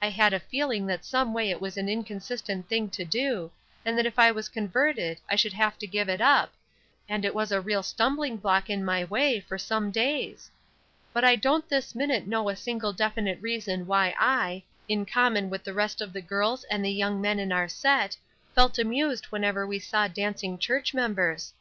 I had a feeling that someway it was an inconsistent thing to do, and that if I was converted I should have to give it up, and it was a real stumbling block in my way for some days. But I don't this minute know a single definite reason why I, in common with the rest of the girls and the young men in our set, felt amused whenever we saw dancing church members.